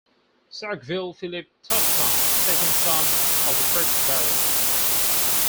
Sackville Philip Tufton, second son of the first Baron.